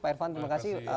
pak irvan terima kasih